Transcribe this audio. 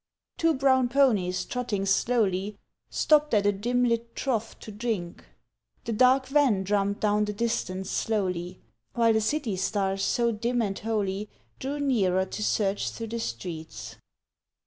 Two brown ponies trotting slowly Stopped at a dim lit trough to drink: The dark van drummed down the distance slowly; While the city stars so dim and holy Drew nearer to search through the streets.